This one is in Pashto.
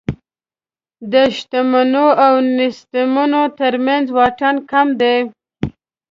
د شتمنو او نېستمنو تر منځ واټن کم دی.